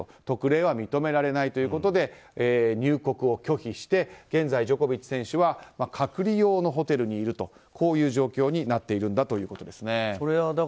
特例は認められないと入国を拒否して現在、ジョコビッチ選手は隔離用のホテルにいるという状況になっているということです。